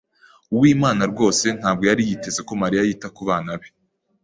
Uwimana rwose ntabwo yari yiteze ko Mariya yita kubana be.